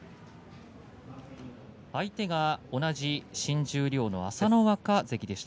相手が同じ新十両の朝乃若関でした。